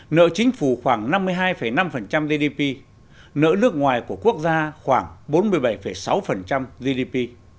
nợ chính phủ khoảng năm mươi hai năm gdp nợ nước ngoài của quốc gia khoảng bốn mươi bảy sáu gdp